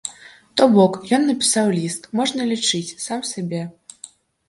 То бок, ён напісаў ліст, можна лічыць, сам сабе.